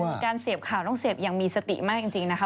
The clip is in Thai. คือการเสพข่าวต้องเสพอย่างมีสติมากจริงนะคะ